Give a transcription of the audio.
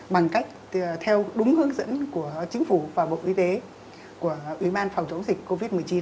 bằng cách theo đúng hướng dẫn của chính phủ và bộ y tế của ủy ban phòng chống dịch covid một mươi chín